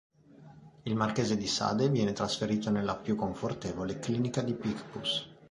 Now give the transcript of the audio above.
Il Marchese de Sade viene trasferito nella più confortevole clinica di Picpus.